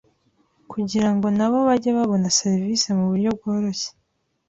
kugira ngo na bo bajye babona serivisi mu buryo bworoshye